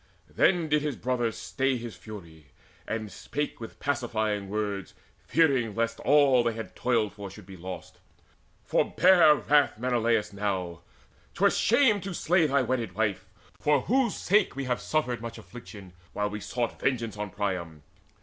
Then did his brother stay His fury, and spake with pacifying words, Fearing lest all they had toiled for should be lost: "Forbear wrath, Menelaus, now: 'twere shame To slay thy wedded wife, for whose sake we Have suffered much affliction, while we sought Vengeance on Priam.